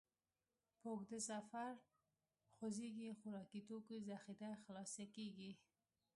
په اوږده سفر خوځېږئ، خوراکي توکو ذخیره خلاصه کېږي.